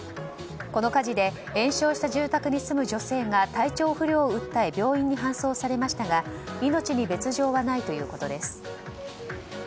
この火事で延焼した住宅に住む女性が体調不良を訴え病院に搬送されましたが命に別条はないということです。